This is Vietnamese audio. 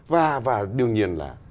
và đương nhiên là